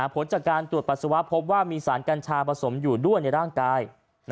ผลจากการตรวจปัสสาวะพบว่ามีสารกัญชาผสมอยู่ด้วยในร่างกาย